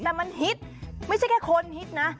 แต่มันฮิตไม่ใช่แค่คนฮิตนะ